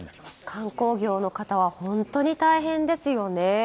観光業の方は本当に大変ですよね。